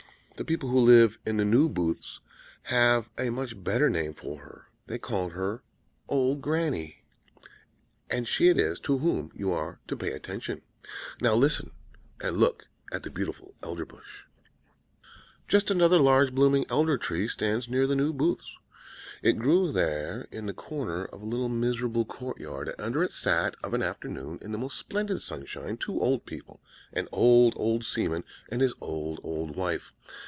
The people who live in the New Booths [*] have a much better name for her; they call her 'old Granny' and she it is to whom you are to pay attention. Now listen, and look at the beautiful Elderbush. * A row of buildings for seamen in Copenhagen. "Just such another large blooming Elder Tree stands near the New Booths. It grew there in the corner of a little miserable court yard; and under it sat, of an afternoon, in the most splendid sunshine, two old people; an old, old seaman, and his old, old wife.